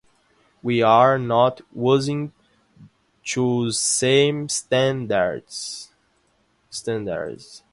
We are not using those same standards.